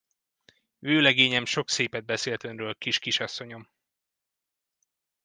Vőlegényem sok szépet beszélt önről, kis kisasszonyom!